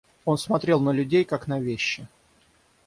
Он смотрел на людей, как на вещи.